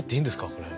これ。